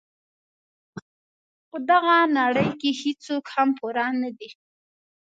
په دغه نړۍ کې هیڅوک هم پوره نه دي.